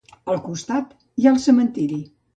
Al costat, hi ha el cementiri.